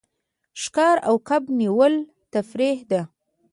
ښکار او کب نیول تفریح ده.